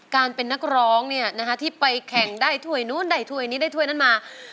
การเป็นนักร้องเนี่ยนะคะที่ไปแข่งได้ถ้วยนู้นได้ถ้วยนี้ได้ถ้วยนั้นมา